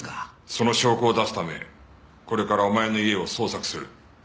その証拠を出すためこれからお前の家を捜索する。